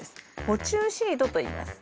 捕虫シートといいます。